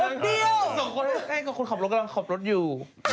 ส่งคนให้กับคนขอบรับกำลังขอบรถอยู่